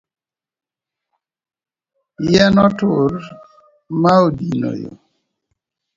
Yien otur ma odino yoo